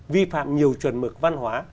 vi phạm nhiều chuẩn mực văn hóa